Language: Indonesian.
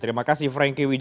terima kasih franky wijaya